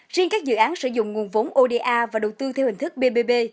riêng các dự án sử dụng nguồn vốn oda và đầu tư theo hình thức bbb